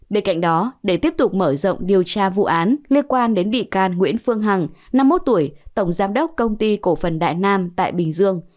bên cạnh đó để tiếp tục mở rộng điều tra vụ án liên quan đến bị can nguyễn phương hằng năm mươi một tuổi tổng giám đốc công ty cổ phần đại nam tại bình dương